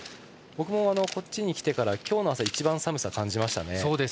僕もこっちに来てから今日の朝に一番寒さを感じました。